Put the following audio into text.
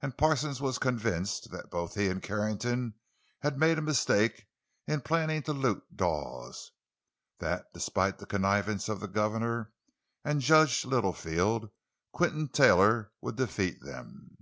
And Parsons was convinced that both he and Carrington had made a mistake in planning to loot Dawes; that despite the connivance of the governor and Judge Littlefield, Quinton Taylor would defeat them.